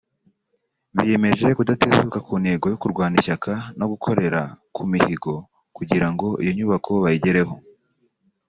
Biyemeje kudatezuka ku ntego yo kurwana ishyaka no gukorera ku mihigo kugira ngo iyo nyubako bayigereho